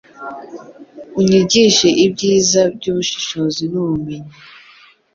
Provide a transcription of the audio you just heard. Unyigishe ibyiza by’ubushishozi n’ubumenyi